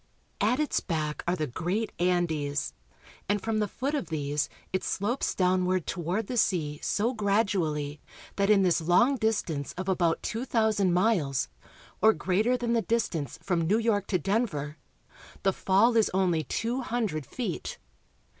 ( At its back are the great Andes, and from the foot of 'these it slopes downward toward the sea so gradually that in this long distance of about two thousand miles, or greater than the distance from New York to Denver, the fall is only two hundred feet.